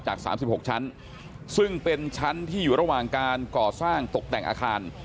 จาก๓๖ชั้นซึ่งเป็นชั้นที่อยู่ระหว่างการก่อสร้างตกแต่งอาคาร